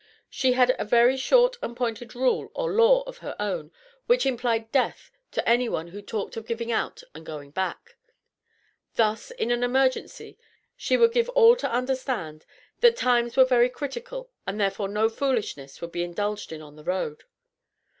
She had a very short and pointed rule or law of her own, which implied death to any who talked of giving out and going back. Thus, in an emergency she would give all to understand that "times were very critical and therefore no foolishness would be indulged in on the road."